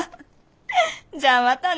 じゃまたね。